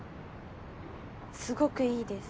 すごくいいです。